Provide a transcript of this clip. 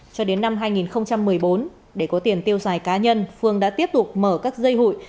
cho đến năm hai nghìn một mươi bốn để có tiền tiêu xài cá nhân phương đã tiếp tục mở các dây hụi